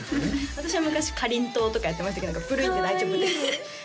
私は昔「かりん党」とかやってましたけど古いんで大丈夫です